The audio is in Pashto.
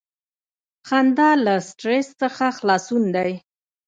• خندا له سټریس څخه خلاصون دی.